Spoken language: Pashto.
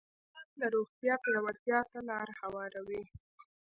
علم د روغتیا پیاوړتیا ته لاره هواروي.